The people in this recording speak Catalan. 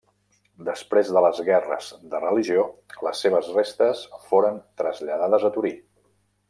Després de les Guerres de Religió les seves restes foren traslladades a Torí.